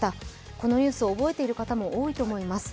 このニュース、覚えている方も多いと思います。